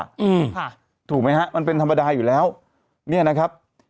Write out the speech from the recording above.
อืมค่ะถูกไหมฮะมันเป็นธรรมดาอยู่แล้วเนี่ยนะครับ